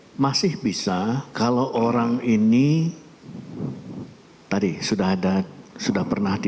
kalau umpamanya kalau kita melakukan pemeriksaan menggunakan alat alat yang imaging tadi